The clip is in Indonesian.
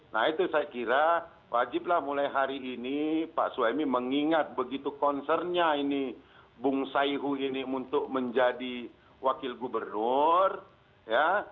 nah itu saya kira wajiblah mulai hari ini pak suhaimi mengingat begitu concernnya ini bung saihu ini untuk menjadi wakil gubernur ya